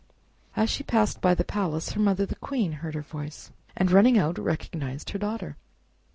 As she passed by the palace, her mother, the Queen, heard her voice, and running out, recognized her daughter.